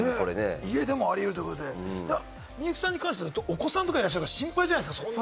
家でもありうるということで、みゆきさんに関してはお子さんいらっしゃるし、心配じゃないですか？